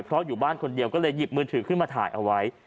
เพราะอยู่บ้านคนเดียวก็เลยหยิบมือถือขึ้นมาถ่ายเอาไว้